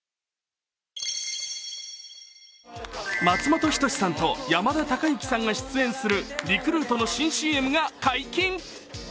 松本人志さんと山田孝之さんが出演するリクルートの新ＣＭが解禁。